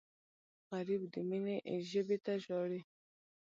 غریب د مینې ژبې ته ژاړي